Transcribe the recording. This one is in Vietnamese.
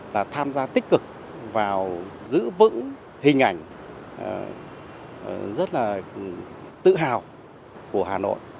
là tham gia tích cực vào giữ vững hình ảnh rất là tự hào của hà nội